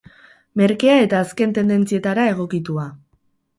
Merkea eta azken tendentzietara egokitua.